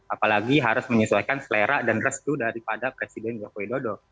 apalagi harus menyesuaikan selera dan restu daripada presiden joko widodo